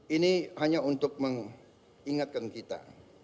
ini hanya untuk mengingatkan kita